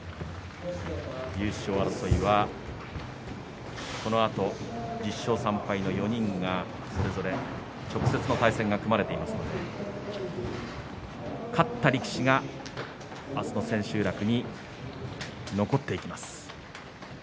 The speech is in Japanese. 優勝争いはこのあと１０勝３敗の４人がそれぞれ直接の対戦が組まれていますので勝った力士が明日の千秋楽に残っていきます。